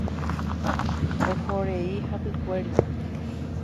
Ohorei hapykuéri.